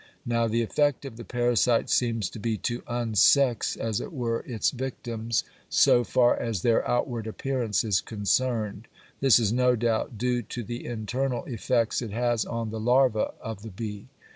Now the effect of the parasite seems to be to unsex as it were its victims so far as their outward appearance is concerned. This is no doubt due to the internal effects it has on the larva of the bee.